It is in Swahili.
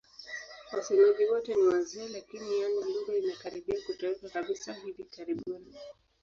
Wasemaji wote ni wazee lakini, yaani lugha imekaribia kutoweka kabisa hivi karibuni.